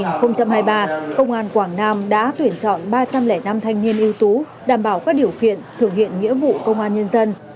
năm hai nghìn hai mươi ba công an quảng nam đã tuyển chọn ba trăm linh năm thanh niên ưu tú đảm bảo các điều kiện thực hiện nghĩa vụ công an nhân dân